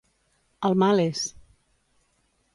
El mal és.